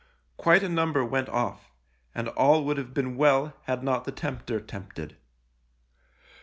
Quite a number went off, and all would have been well had not the tempter tempted.